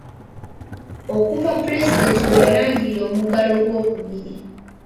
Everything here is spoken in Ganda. Okuva Pulezidenti lwe yalangirira omuggalo ogwokubiri.